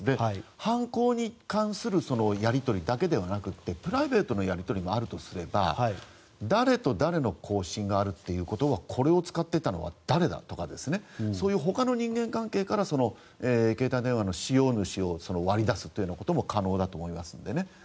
犯行に関するやり取りだけでなくプライベートなやり取りもあるとすれば誰と誰の交信があるということからこれを使っていたのは誰だとか他の人間関係から携帯電話の使用主を割り出すことも可能だと思いますのでね。